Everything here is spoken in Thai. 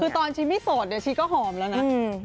คือตอนชีพไม่สดเดี๋ยวชีพก็หอมแล้วนะ